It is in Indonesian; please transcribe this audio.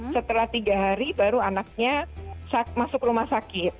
setelah tiga hari baru anaknya masuk rumah sakit